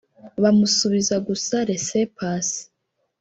bamusubiza gusa Laissez- Passer